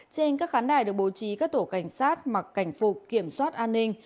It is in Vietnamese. trên các khán đài được bố trí các tổ cảnh sát mặc cảnh phục kiểm soát an ninh